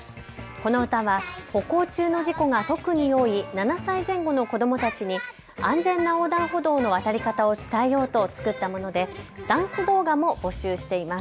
この歌は歩行中の事故が特に多い７歳前後の子どもたちに安全な横断歩道の渡り方を伝えようと作ったものでダンス動画も募集しています。